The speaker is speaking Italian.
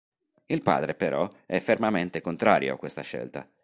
Il padre però è fermamente contrario a questa scelta.